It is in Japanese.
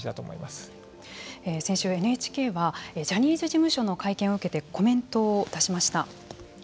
先週、ＮＨＫはジャニーズ事務所の会見を受けてコメントを出しました。